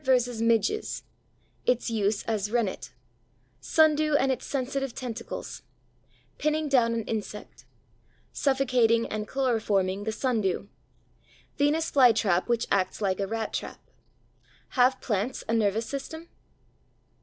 _ midges Its use as rennet Sundew and its sensitive tentacles Pinning down an insect Suffocating and chloroforming the sundew Venus' fly trap which acts like a rat trap Have plants a nervous system?